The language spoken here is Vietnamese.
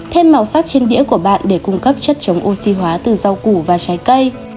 thêm màu sắc trên đĩa của bạn để cung cấp chất chống oxy hóa từ rau củ và trái cây